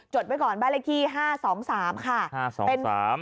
ไว้ก่อนบ้านเลขที่๕๒๓ค่ะ